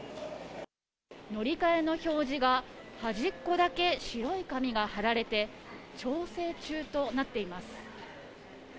乗り換えの表示が、端っこだけ白い紙が貼られて、調整中となっています。